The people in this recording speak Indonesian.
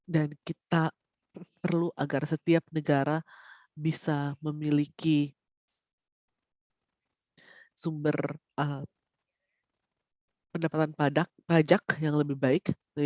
dan kita perlu agar setiap negara bisa memiliki sumber pendapatan pajak yang lebih baik